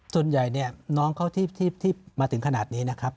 ส่วนใหญ่เนี่ยน้องเขาที่มาถึงขนาดนี้นะครับ